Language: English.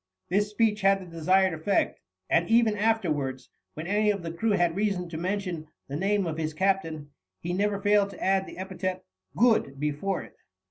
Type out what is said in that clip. This speech had the desired effect, and ever afterwards, when any one of the crew had reason to mention the name of his captain, he never failed to add the epithet "Good" before it.